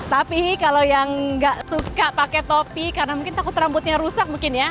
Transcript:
tapi kalau yang nggak suka pakai topi karena mungkin takut rambutnya rusak mungkin ya